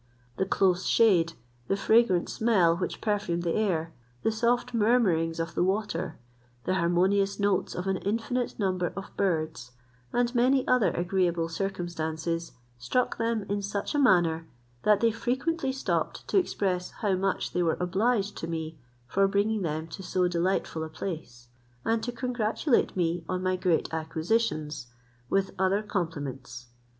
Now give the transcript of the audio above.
The close shade, the fragrant smell which perfumed the air, the soft murmurings of the water, the harmonious notes of an infinite number of birds, and many other agreeable circumstances, struck them in such a manner, that they frequently stopped to express how much they were obliged to me for bringing them to so delightful a place, and to congratulate me on my great acquisitions, with other compliments.